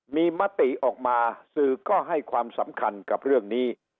มีมติออกมาสื่อก็ให้ความสำคัญกับเรื่องนี้